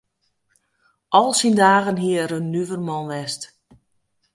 Al syn dagen hie er in nuver man west.